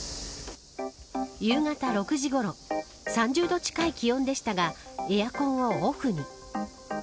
夕方６時ごろ３０度近い気温でしたがエアコンをオフに。